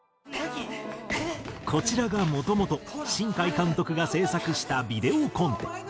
こちらがもともと新海監督が制作したビデオコンテ。